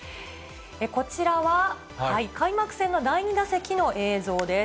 こちらは開幕戦の第２打席の映像です。